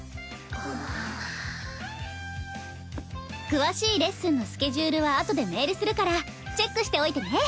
詳しいレッスンのスケジュールはあとでメールするからチェックしておいてね。